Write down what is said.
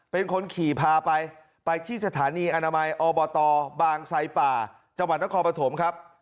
เป็นคนขี่พาไปไปที่สถานีอนามัยอบตบางไซป่าจังหวัดนครปฐมครับ